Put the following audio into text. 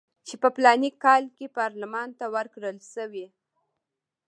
چې په فلاني کال کې پارلمان ته ورکړل شوي.